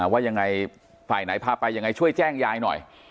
ว่ายังไงฝ่ายไหนพาไปยังไงช่วยแจ้งยายหน่อย